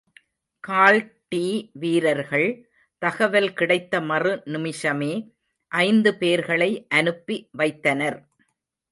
கால்ட்டீ வீரர்கள் தகவல் கிடைத்த மறுநிமிஷமே ஐந்து பேர்களை அனுப்பி வைத்தனர்.